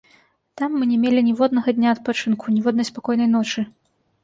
Там мы не мелі ніводнага дня адпачынку, ніводнай спакойнай ночы.